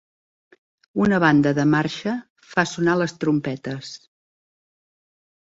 Una banda de marxa fa sonar les trompetes.